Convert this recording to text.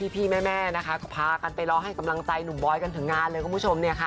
พี่แม่ก็พากันไปรอให้กำลังใจหนุ่มบอยกันถึงงานเลยคุณผู้ชม